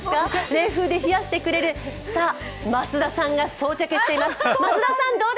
冷風で冷やしてくれる、さあ増田さんが装着しています。